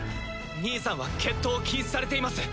兄さんは決闘を禁止されています。